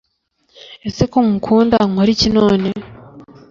Ese ko nkukunda nkoriki none?